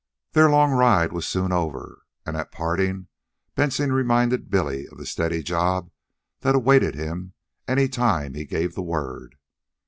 Their long ride was soon over, and at parting Benson reminded Billy of the steady job that awaited him any time he gave the word.